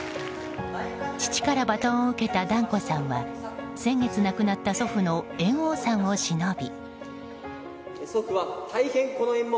父からバトンを受けた團子さんは先月亡くなった祖父の猿翁さんをしのび。